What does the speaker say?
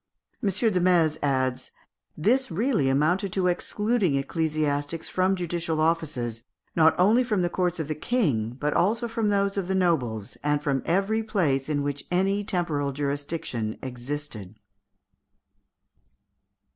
M. Desmaze adds, "This really amounted to excluding ecclesiastics from judicial offices, not only from the courts of the King, but also from those of the nobles, and from every place in which any temporal jurisdiction existed."